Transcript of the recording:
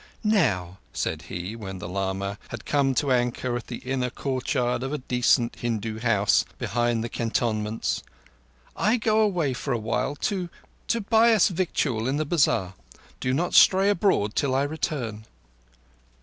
"Now," said he, when the lama had come to an anchor in the inner courtyard of a decent Hindu house behind the cantonments, "I go away for a while—to—to buy us victual in the bazar. Do not stray abroad till I return."